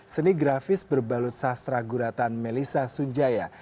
seni grafis berbalut sastra guratan melissa sunjaya